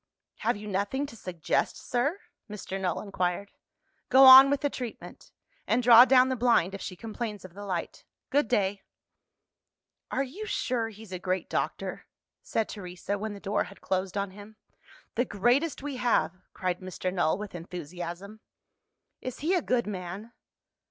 "Have you nothing to suggest, sir?" Mr. Null inquired. "Go on with the treatment and draw down the blind, if she complains of the light. Good day!" "Are you sure he's a great doctor?" said Teresa, when the door had closed on him. "The greatest we have!" cried Mr. Null with enthusiasm. "Is he a good man?"